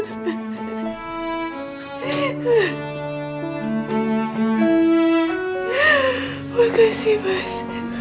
terima kasih mas